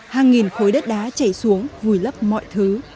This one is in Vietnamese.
hàng nghìn khối đất đá chảy xuống vùi lấp mọi thứ